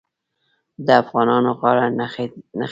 د افغانانو غاړه نښتې ده.